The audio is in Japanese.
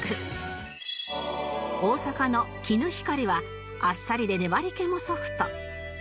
大阪のきぬひかりはあっさりで粘り気もソフト